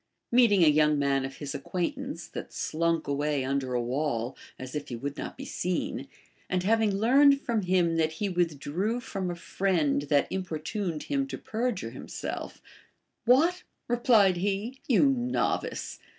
Meeting a young man of his acquaint ance that slunk away under a wall, as if he Avould not be seen, and having learned from him that he withdrew from a friend that importuned hiin to perjure himself, AVhat, re plied he, you novice